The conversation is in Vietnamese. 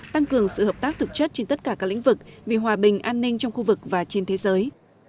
tăng cường sự hợp tác thực chất trên tất cả các lĩnh vực vì hòa bình an ninh trong khu vực và trên thế giới